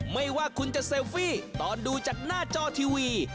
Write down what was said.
ไม่ว่าคุณจะเซลฟี่ตอนดูจากหน้าจอทีวี